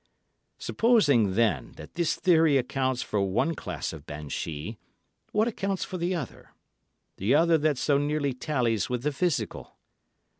"Supposing then that this theory accounts for the one class of banshee, what accounts for the other—the other that so nearly tallies with the physical?